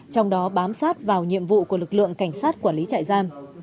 trong đó bám sát vào nhiệm vụ của lực lượng cảnh sát quản lý trại giam